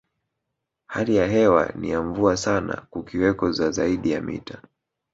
Hali ya hewa ni ya mvua sana kukiweko za zaidi ya mita